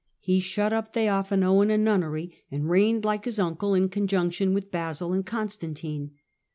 He shut up Theophano in a nunnery, and reigned, like his uncle, in conjunction with Basil and Constantine.